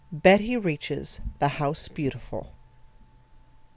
BETTY REACHES THE "HOUSE BEAUTIFUL."